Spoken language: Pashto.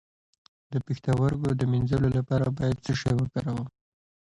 د پښتورګو د مینځلو لپاره باید څه شی وکاروم؟